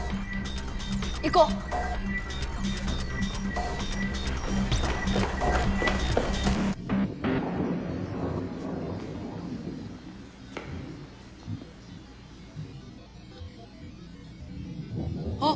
行こう！あっ。